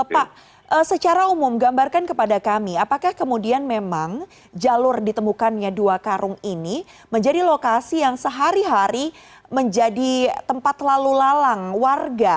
pak secara umum gambarkan kepada kami apakah kemudian memang jalur ditemukannya dua karung ini menjadi lokasi yang sehari hari menjadi tempat lalu lalang warga